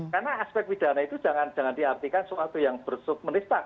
karena aspek pidana itu jangan diartikan sesuatu yang bersubmenistak